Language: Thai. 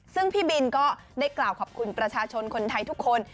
ซึ่งพี่บินก็ได้กล่าวขอบคุณประชาชนคนไทยทุกคน